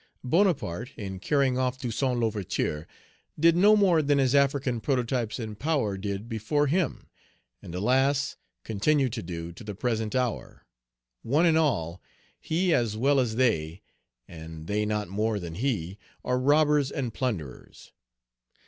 Bonaparte, in carrying off Toussaint L'Ouverture, did no more than his African prototypes in power did before him, and, alas! continue to do to the present hour. One and all, he as well as Page 240 they, and they not more than he, are robbers and plunderers.